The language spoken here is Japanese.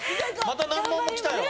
また難問も来たよ。